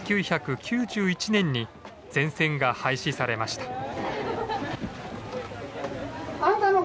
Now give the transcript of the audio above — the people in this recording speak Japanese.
１９９１年に全線が廃止されました。